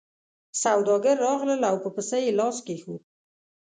سوداګر راغلل او په پسه یې لاس کېښود.